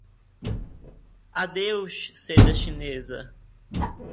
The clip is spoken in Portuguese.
Adeus seda chinesa!